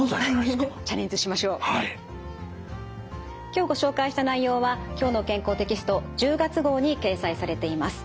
今日ご紹介した内容は「きょうの健康」テキスト１０月号に掲載されています。